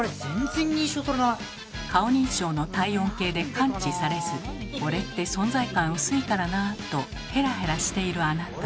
顔認証の体温計で感知されず「俺って存在感薄いからなぁ」とヘラヘラしているあなた。